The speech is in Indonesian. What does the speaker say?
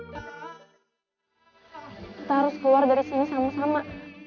kita harus keluar dari sini sama sama